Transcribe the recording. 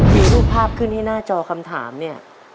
มีรูปภาพขึ้นให้หน้าจอคำถามเนี่ย